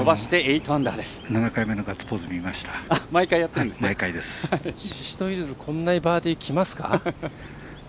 宍戸ヒルズ、こんなにバーディーきますか？